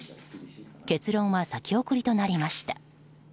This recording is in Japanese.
結論は先送りとなりました。